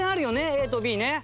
ＡとＢね。